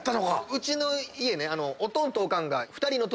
うちの家ねおとんとおかんが。